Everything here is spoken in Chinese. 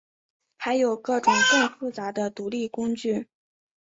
还有各种更复杂的独立工具。